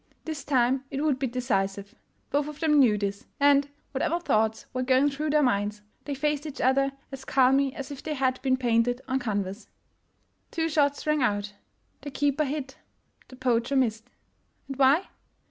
This time it would be decisive ! Both of them knew this — and, whatever thoughts were going through their minds, they faced each other as calmly as if they had been painted on canvas. Two shots rang out. The keeper hit, the poacher missed. And why?